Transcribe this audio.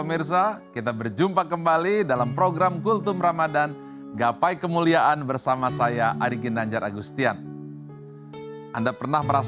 itulah kemuliaan ramadhan